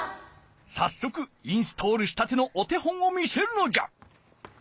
さっそくインストールしたてのお手本を見せるのじゃ。